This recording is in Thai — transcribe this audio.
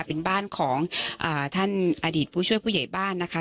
เป็นบ้านของท่านอดีตผู้ช่วยผู้ใหญ่บ้านนะคะ